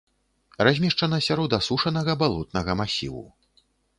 Размешчана сярод асушанага балотнага масіву.